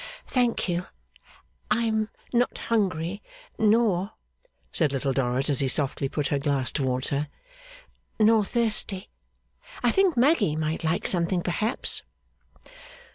'Thank you, I am not hungry. Nor,' said Little Dorrit, as he softly put her glass towards her, 'nor thirsty. I think Maggy might like something, perhaps.